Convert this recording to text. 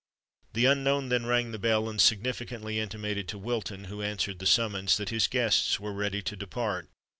The unknown then rang the bell, and significantly intimated to Wilton, who answered the summons, that his guests were ready to depart.